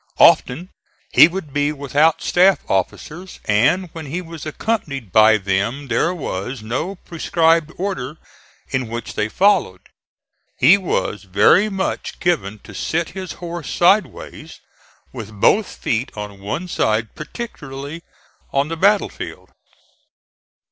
Often he would be without staff officers, and when he was accompanied by them there was no prescribed order in which they followed. He was very much given to sit his horse side ways with both feet on one side particularly on the battlefield.